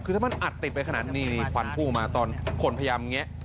คือถ้ามันอัดติดไปขนาดนี้นี่ควันพุ่งออกมาตอนคนพยายามแงะ